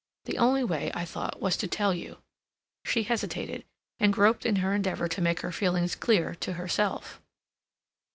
The only way, I thought, was to tell you." She hesitated, and groped in her endeavor to make her feelings clear to herself.